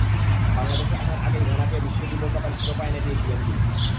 বাংলাদেশে আসার আগেই ঘানাকে বিশ্ব যুব কাপের শিরোপা এনে দিয়েছিলেন তিনি।